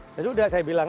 itu sudah saya bilang